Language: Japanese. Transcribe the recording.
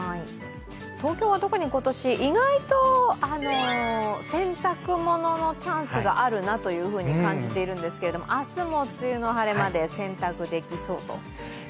東京は特に今年、意外と洗濯物のチャンスがあるなと感じているんですけれども明日も梅雨の晴れ間で洗濯できそうと。